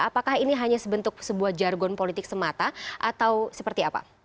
apakah ini hanya sebentuk sebuah jargon politik semata atau seperti apa